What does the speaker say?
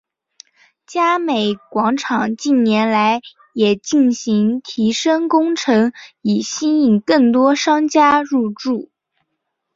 美嘉广场近年来也进行提升工程以吸引更多商家入住。